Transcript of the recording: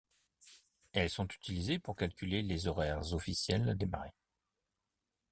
Elles sont utilisées pour calculer les horaires officiels des marées.